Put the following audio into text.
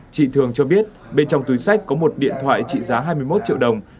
chị thường cho biết bên trong túi sách có một điện thoại trị giá hai mươi một triệu đồng